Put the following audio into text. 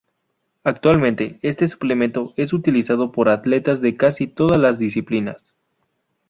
Actualmente, este suplemento es utilizado por atletas de casi todas las disciplinas.